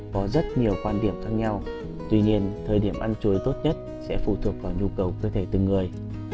có rất nhiều quan điểm khác nhau tuy nhiên thời điểm ăn chuối tốt nhất sẽ phụ thuộc vào nhu cầu cơ thể từng người